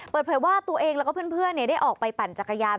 เปิดเผยว่าตัวเองแล้วก็เพื่อนได้ออกไปปั่นจักรยาน